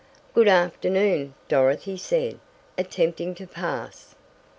"Good afternoon," Dorothy said, attempting to pass.